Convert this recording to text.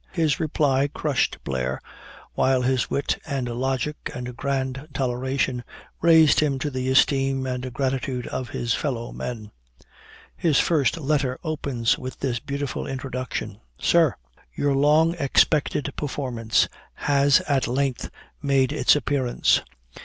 His reply crushed Blair; while his wit and logic and grand toleration raised him to the esteem and gratitude of his fellow men. His first letter opens with this beautiful introduction: "Sir Your long expected performance has at length made its appearance.